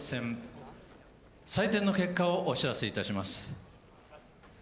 採点の結果をお知らせいたします。